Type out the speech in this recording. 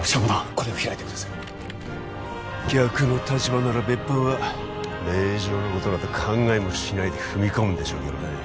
これを開いてください逆の立場なら別班は令状のことなど考えもしないで踏み込むんでしょうけどね